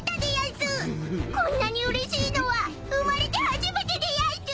こんなにうれしいのは生まれて初めてでやんす！